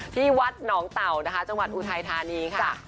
ที่วัดหนองเต่านะคะจังหวัดอุทัยธานีค่ะ